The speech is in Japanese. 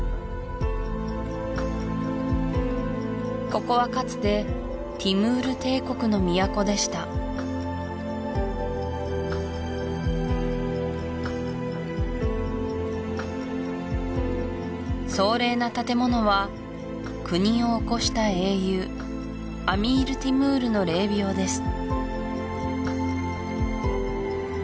ここはかつてティムール帝国の都でした壮麗な建物は国を興した英雄アミール・ティムールの霊廟です